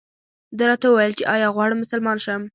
ده راته وویل چې ایا غواړم مسلمان شم.